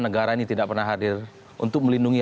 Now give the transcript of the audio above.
negara ini tidak pernah hadir untuk melindungi